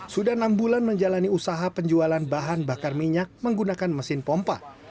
sudah enam bulan menjalani usaha penjualan bahan bakar minyak menggunakan mesin pompa